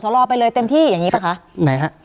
การแสดงความคิดเห็น